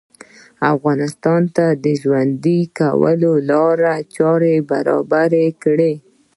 افغانانو ته د ژوند کولو لارې چارې برابرې کړې